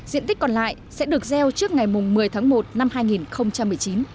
diện tích còn lại sẽ được gieo trước ngày một mươi tháng một năm hai nghìn một mươi chín